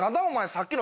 さっきの。